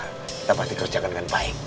kita pasti kerjakan dengan baik